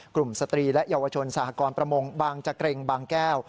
สตรีและเยาวชนสหกรประมงบางจักรงบางแก้ว